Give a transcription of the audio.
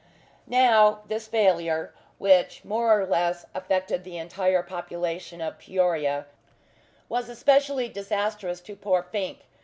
Now, this failure, which more or less affected the entire population of Peoria, was especially disastrous to poor Fink.